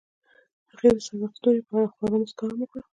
هغې د صادق ستوري په اړه خوږه موسکا هم وکړه.